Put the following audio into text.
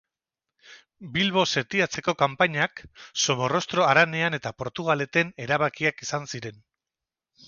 Bilbo setiatzeko kanpainak, Somorrostro Haranean eta Portugaleten erabakiak izan ziren.